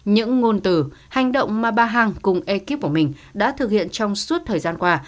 những ngôn từ hành động mà bà hằng cùng ekip của mình đã thực hiện trong suốt thời gian qua